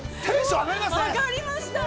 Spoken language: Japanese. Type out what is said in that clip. ◆上がりましたね。